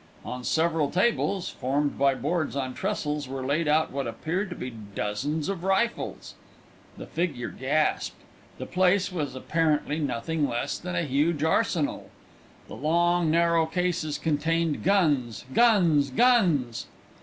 On several tables, formed by boards on trestles, were laid out what appeared to be dozens of rifles. The figure gasped. The place was apparently nothing less than a huge arsenal. The long narrow cases contained guns! guns!! guns!!!